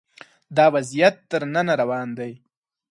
دا وضعیت تر ننه روان دی